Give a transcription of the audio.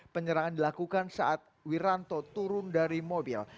penyerangan dilakukan saat wiranto turun dari mobil